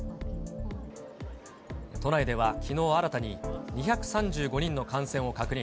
都内ではきのう新たに、２３５人の感染を確認。